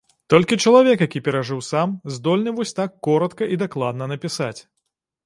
Толькі чалавек, які перажыў сам, здольны вось так коратка і дакладна напісаць.